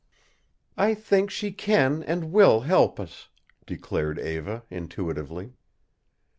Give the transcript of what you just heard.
"I think she can and will help us," declared Eva, intuitively.